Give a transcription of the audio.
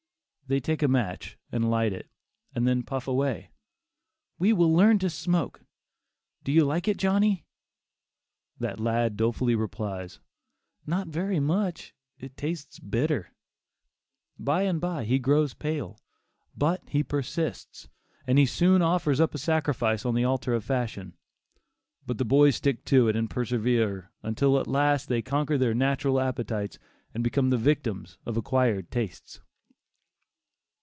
They take a match and light it, and then puff away. "We will learn to smoke; do you like it Johnny?" That lad dolefully replies: "Not very much; it tastes bitter"; by and by he grows pale, but he persists, and he soon offers up a sacrifice on the altar of fashion; but the boys stick to it and persevere until at last they conquer their natural appetites and become the victims of acquired tastes.